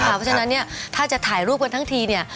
เพราะฉะนั้นเนี่ยถ้าจะถ่ายรูปกันทั้งทีเนี่ย